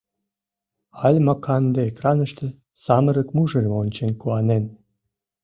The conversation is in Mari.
Альма канде экраныште самырык мужырым ончен куанен.